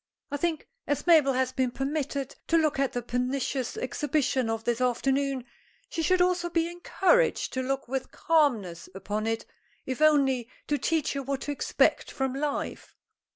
I think, as Mabel has been permitted to look at the pernicious exhibition of this afternoon, she should also be encouraged to look with calmness upon it, if only to teach her what to expect from life."